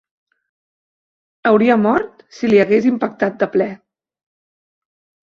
Hauria mort si li hagués impactat de ple.